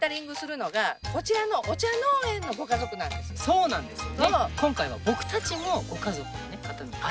そうなんですよ。